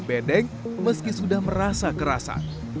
bendeng meski sudah merasa kerasa